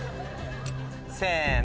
せの。